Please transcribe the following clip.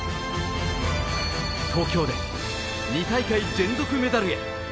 東京で２大会連続メダルへ。